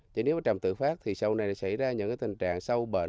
chứ nếu mà trồng tự phát thì sau này sẽ xảy ra những tình trạng sâu bệnh